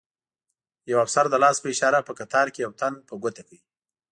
یو افسر د لاس په اشاره په قطار کې یو تن په ګوته کړ.